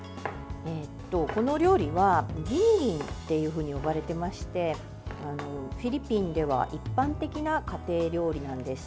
この料理はギニリンというふうに呼ばれてましてフィリピンでは一般的な家庭料理なんです。